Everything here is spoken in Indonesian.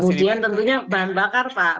kemudian tentunya bahan bakar pak